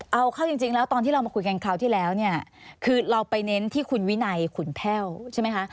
เอาเข้าจริงแล้วตอนที่เรามาคุยกันคราวที่แล้วเนี่ยคือเราไปเน้นที่คุณวินัยขุนแพ่วใช่ไหมคะ